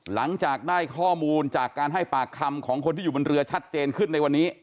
หลังจากได้ข้อมูลจากการให้ปากคำของคนที่อยู่บนเรือชัดเจนขึ้นในวันนี้